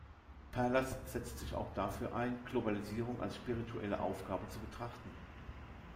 Perlas setzt sich auch dafür ein, Globalisierung als spirituelle Aufgabe zu betrachten.